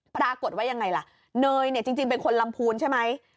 ปรากฏว่ายังไงล่ะเนยเนี่ยจริงเป็นคนลำพูนใช่ไหม